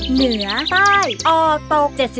เหนือใต้อ่อตก